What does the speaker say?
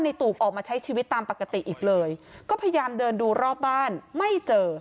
ตูบออกมาใช้ชีวิตตามปกติอีกเลยก็พยายามเดินดูรอบบ้านไม่เจอ